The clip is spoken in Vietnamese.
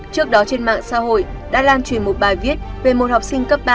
trước đó trên mạng xã hội đã lan truyền một bài viết về một học sinh cấp ba